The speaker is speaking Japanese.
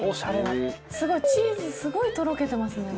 すごいチーズすごいとろけてますね。